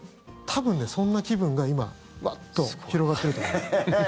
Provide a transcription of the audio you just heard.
多分、そんな気分が、今ワッと広がってると思います。